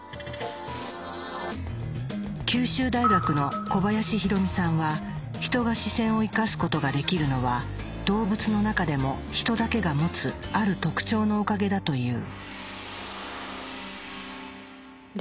九州大学の小林洋美さんはヒトが視線を生かすことができるのは動物の中でもヒトだけが持つある特徴のおかげだと言う。